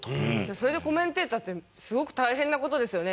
それでコメンテーターってすごく大変な事ですよね。